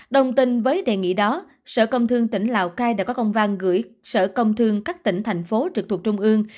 đồng tình với đề nghị đó sở công thương tỉnh lào cai đã có công văn gửi sở công thương các tỉnh thành phố trực thuộc trung ương